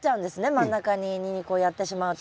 真ん中にニンニクをやってしまうと。